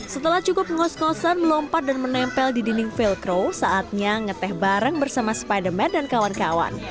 setelah cukup ngos ngosan melompat dan menempel di dinding vel crow saatnya ngeteh bareng bersama spiderman dan kawan kawan